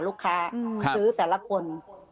ลูกค้าซื้อแต่ละคน